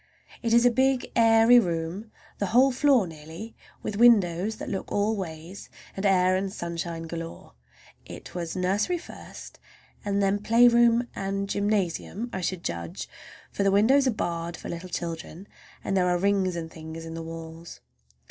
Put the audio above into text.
It is a big, airy room, the whole floor nearly, with windows that look all ways, and air and sunshine galore. It was nursery first and then playground and gymnasium, I should judge; for the windows are barred for little children, and there are rings and things in the walls.